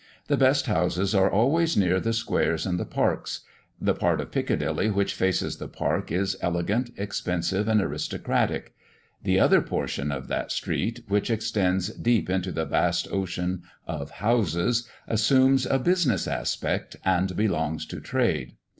The best houses are always near the squares and the parks. That part of Piccadilly which faces the Park is elegant, expensive, and aristocratic; the other portion of that street, which extends deep into the vast ocean of houses, assumes a business aspect, and belongs to trade.